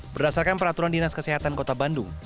berdasarkan peraturan dinas kesehatan kota bandung